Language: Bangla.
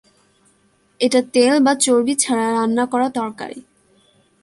এটা তেল বা চর্বি ছাড়া রান্না করা তরকারি।